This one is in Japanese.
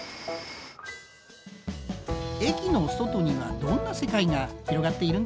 駅の外にはどんな世界が広がっているんでしょうか。